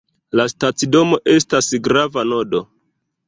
La stacidomo estas grava nodo.